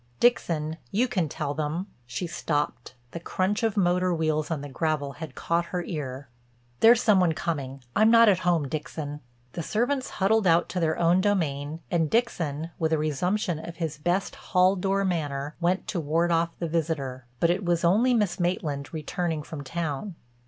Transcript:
Dixon, you can tell them—" she stopped, the crunch of motor wheels on the gravel had caught her ear. "There's some one coming. I'm not at home, Dixon." The servants huddled out to their own domain and Dixon, with a resumption of his best hall door manner, went to ward off the visitor. But it was only Miss Maitland returning from town.